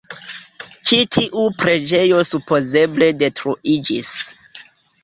Ĉi tiu preĝejo supozeble detruiĝis.